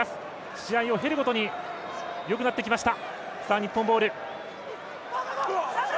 試合を経るごとによくなってきました。